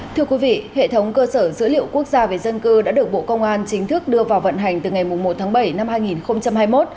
thưa quý vị hệ thống cơ sở dữ liệu quốc gia về dân cư đã được bộ công an chính thức đưa vào vận hành từ ngày một tháng bảy năm hai nghìn hai mươi một